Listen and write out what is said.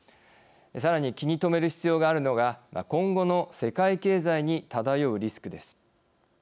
さらに気に留める必要があるのが今後の世界経済にただようリスクです。